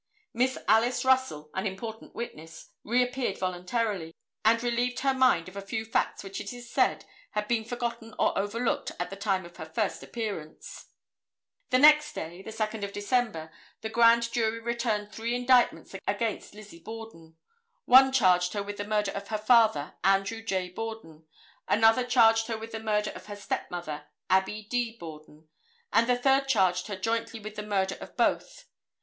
Miss Alice Russell, an important witness, reappeared voluntarily, and relieved her mind of a few facts which it is said, had been forgotten or overlooked at the time of her first appearance. The next day, the 2d of December, the grand jury returned three indictments against Lizzie Borden. One charged her with the murder of her father, Andrew J. Borden, another charged her with the murder of her stepmother, Abbie D. Borden, and the third charged her jointly with the murder of both.